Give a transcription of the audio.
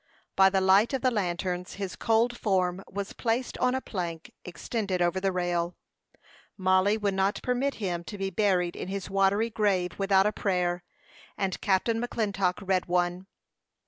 By the light of the lanterns, his cold form was placed on a plank extended over the rail. Mollie would not permit him to be buried in his watery grave without a prayer, and Captain McClintock read one.